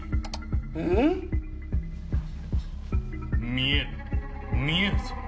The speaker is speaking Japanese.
⁉見える見えるぞ